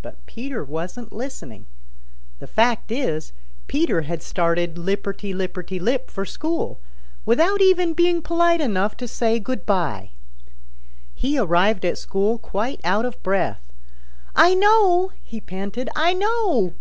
But Peter wasn't listening. The fact is, Peter had started lipperty lipperty lip for school, without even being polite enough to say good by. He arrived at school quite out of breath. "I know!" he panted. "I know!"